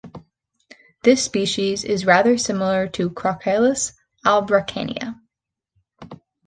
This species is rather similar to "Crocallis albarracina".